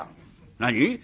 『何？』。